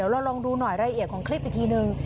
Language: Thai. เราลองดูหน่อยรายละเอียดของคลิปอีกทีนึง